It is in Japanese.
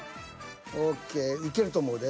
ＯＫいけると思うで。